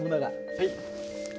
はい。